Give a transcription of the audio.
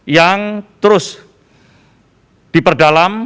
yang terus diperdalam